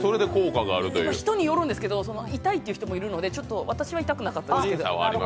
人によるんですけど、痛いという人もいるので私は痛くなかったですけど。